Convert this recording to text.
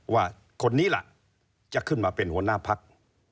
ว่าคนนี้ล่ะจะขึ้นมาเป็นหัวหน้าพัก